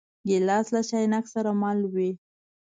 ګیلاس له چاینک سره مل وي.